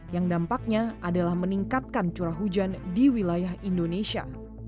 yang dampaknya adalah meningkatkan curah hujan di wilayah indonesia